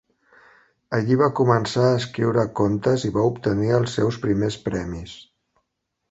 Allí va començar a escriure contes i va obtenir els seus primers premis.